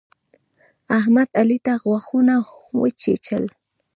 احمد، علي ته غاښونه وچيچل.